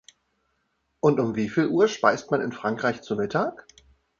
Und um wieviel Uhr speist man in Frankreich zu Mittag?